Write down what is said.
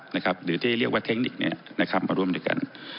หรือที่เรียกว่าเทคนิคมาร่วมด้วยกัน